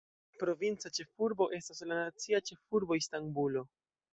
Provinca ĉefurbo estas la nacia ĉefurbo Istanbulo.